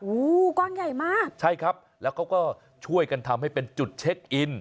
ก้อนใหญ่มากใช่ครับแล้วเขาก็ช่วยกันทำให้เป็นจุดเช็คอิน